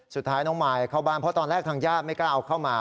สุดท้ายน้องมายเข้าบ้านเพราะตอนแรกทางญาติไม่กล้าเอาเข้ามา